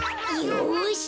よし。